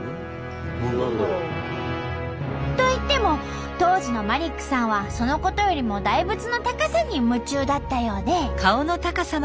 何だろう？といっても当時のマリックさんはそのことよりも大仏の高さに夢中だったようで。